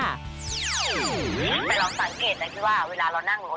แต่เราสังเกตนะที่ว่าเวลาเรานั่งรถ